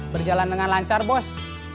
berjalan dengan lancar bos